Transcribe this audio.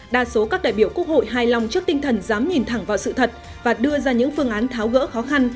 đa số các đại biểu quốc hội hài lòng trước tinh thần dám nhìn thẳng vào sự thật và đưa ra những phương án tháo gỡ khó khăn